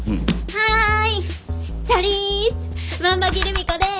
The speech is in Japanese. はい。